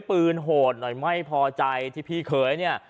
โหดหน่อยไม่พอใจที่พี่เคยเนี่ย